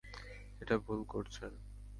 এটা ভুল করছেন।